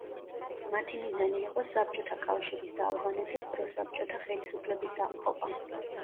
მათი მიზანი იყო საბჭოთა კავშირის და ავღანეთის პროსაბჭოთა ხელისუფლების დამხობა.